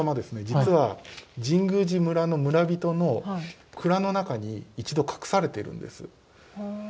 実は神宮寺村の村人の蔵の中に一度隠されているんです。